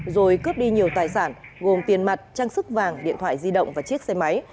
rồi cướp đi nhiều tài sản gồm tiền mặt trang sức vàng điện thoại di động và chiếc xe máy